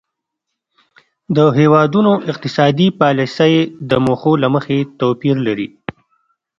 د هیوادونو اقتصادي پالیسۍ د موخو له مخې توپیر لري